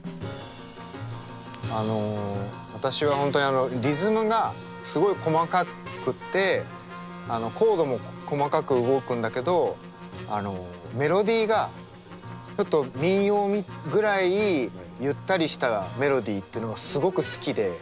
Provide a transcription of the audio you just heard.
あの私は本当にリズムがすごい細かくてコードも細かく動くんだけどメロディーがちょっと民謡ぐらいゆったりしたメロディーというのがすごく好きで。